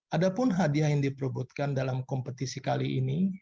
adapun hadiah yang diperobotkan dalam kompetisi kali ini